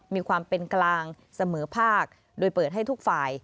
มีความเป็นกลางเสมอภาคโดยเปิดให้ทุกฝ่าย